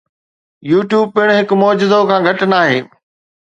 YouTube پڻ هڪ معجزو کان گهٽ ناهي.